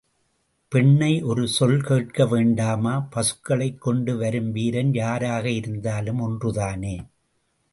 பெண்ணை ஒரு சொல் கேட்க வேண்டாமா? பசுக்களைக் கொண்டு வரும் வீரன் யாராக இருந்தாலும் ஒன்று தானே!